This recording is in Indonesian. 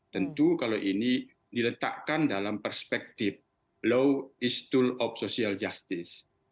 tentu kalau ini diletakkan dalam perspektif low is tool of social justice